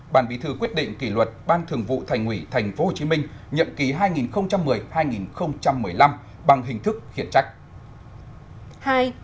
ban bí thư quyết định kỷ luật ban thường vụ thành ủy tp hcm nhậm ký hai nghìn một mươi hai nghìn một mươi năm bằng hình thức khiển trách